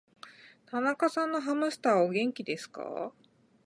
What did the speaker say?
田中さんのハムスターは、お元気ですか。